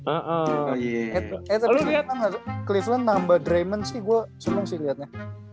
eh tapi lu liat gak cleveland nambah draymond sih gua seneng sih liatnya